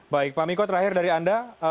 baik pak miko terakhir dari anda